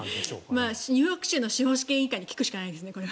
ニューヨーク州の司法試験委員会に聞くしかないですね。